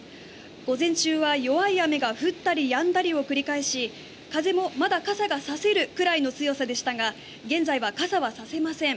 午前中は弱い雨が降ったりやんだりを繰り返し風もまだ傘がさせるくらいの強さでしたが現在は傘はさせません。